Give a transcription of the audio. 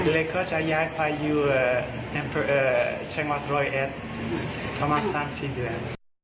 เราก็จะย้ายไปอยู่ชังหวัดร้อยเอ็ดสักประมาณสามถึงสี่เดือน